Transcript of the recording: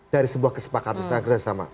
dari sebuah kesepakatan